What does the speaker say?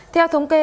theo thống kê